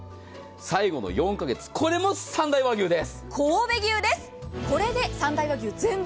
最後の４か月、これも三大和牛です。